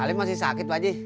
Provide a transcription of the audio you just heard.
salim masih sakit pak ji